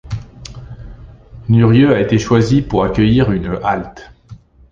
Nurieux a été choisi pour accueillir une halte.